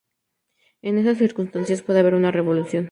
En esas circunstancias, puede haber una revolución.